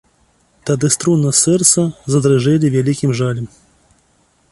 Тады струны сэрца задрыжэлі вялікім жалем.